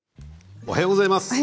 おはようございます。